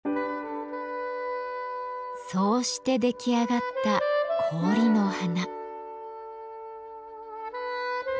そうして出来上がった氷の花。